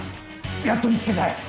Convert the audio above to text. やっと見つけたよ。